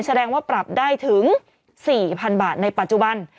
แสดงว่าปรับได้ถึง๔๐๐๐บาทในปัจจุบัน